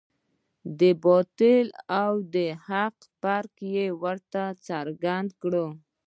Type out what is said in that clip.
د باطل او د حق فرق یې ورته څرګند کړ.